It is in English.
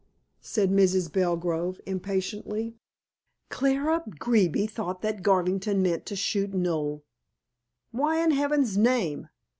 said Mrs. Belgrove impatiently. "Clara Beeby thought that Garvington meant to shoot Noel." "Why, in heaven's name!